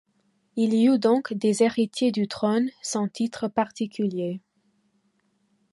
Il y eut donc des héritiers du trône, sans titre particulier.